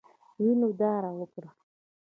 وینو داره وکړه.